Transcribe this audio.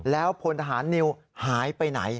แล้วพลทหารนิวหายไปไหน